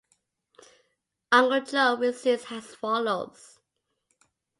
Uncle Joe reasons as follows.